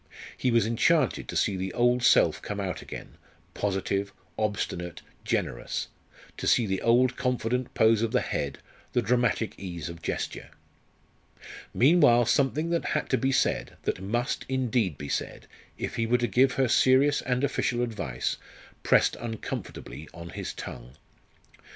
He was enchanted to see the old self come out again positive, obstinate, generous; to see the old confident pose of the head, the dramatic ease of gesture. Meanwhile something that had to be said, that must, indeed, be said, if he were to give her serious and official advice, pressed uncomfortably on his tongue.